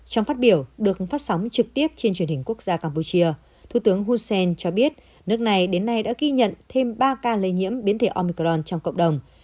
trong phát biểu được phát sóng trực tiếp trên truyền hình quốc gia campuchia thủ tướng hussen cho biết nước này đến nay đã ghi nhận thêm ba ca lây nhiễm biến thể omicron trong cộng đồng